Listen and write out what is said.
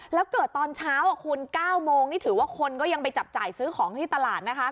แล้วเกิดตอนเช้าคุณ๙โมงนี่ถือว่าคนก็ยังไปจับจ่ายซื้อของที่ตลาดนะคะ